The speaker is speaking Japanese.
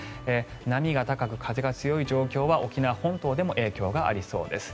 波が高く風が強い状況は沖縄本島でも影響がありそうです。